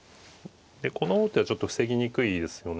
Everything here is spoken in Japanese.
この王手はちょっと防ぎにくいですよね。